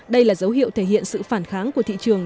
đây là dấu hiệu thể hiện sự phản kháng của thị trường